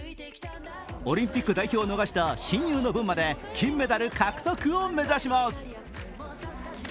オリンピック代表を逃した親友の分まで金メダル獲得を目指します。